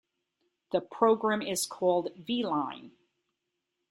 The program is called "Veline".